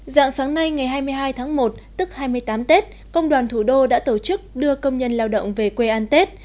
dạng sáng nay ngày hai mươi hai tháng một tức hai mươi tám tết công đoàn thủ đô đã tổ chức đưa công nhân lao động về quê an tết